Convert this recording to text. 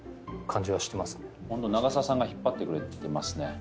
長澤さんが引っ張ってくれてますね。